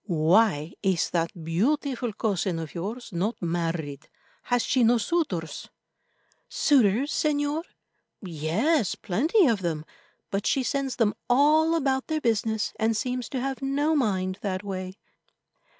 Why is that beautiful cousin of yours not married? Has she no suitors?" "Suitors, Señor? Yes, plenty of them, but she sends them all about their business, and seems to have no mind that way."